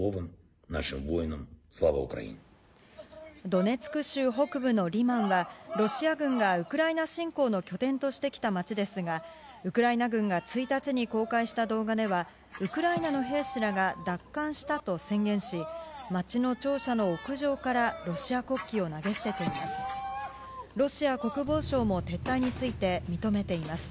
ドネツク州北部のリマンは、ロシア軍がウクライナ侵攻の拠点としてきた町ですが、ウクライナ軍が１日に公開した動画では、ウクライナの兵士らが奪還したと宣言し、町の庁舎の屋上からロシア国旗を投げ捨てています。